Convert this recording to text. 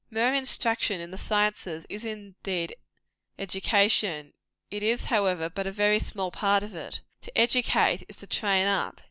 Mere instruction in the sciences is, indeed, education; it is, however, but a very small part of it. To educate, is to train up.